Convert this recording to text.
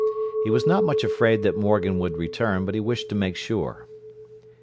He was not much afraid that Morgan would return, but he wished to make sure.